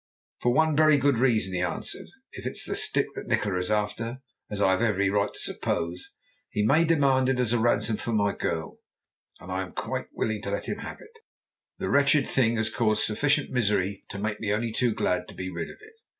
"For one very good reason," he answered. "If it is the stick Nikola is after, as I have every right to suppose, he may demand it as a ransom for my girl, and I am quite willing to let him have it. The wretched thing has caused sufficient misery to make me only too glad to be rid of it."